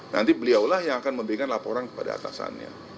nanti beliaulah yang akan memberikan laporan kepada atasannya